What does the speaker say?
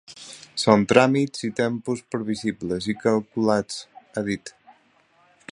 Són tràmits i tempos previsibles i calculats, ha dit.